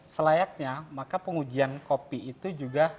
selayaknya maka pengujian kopi itu juga